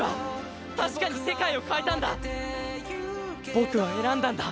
僕は選んだんだ！